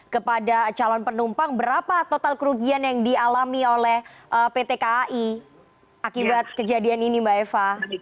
kepada calon penumpang berapa total kerugian yang dialami oleh pt kai akibat kejadian ini mbak eva